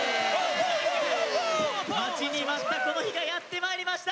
待ちに待ったこの日がやってまいりました。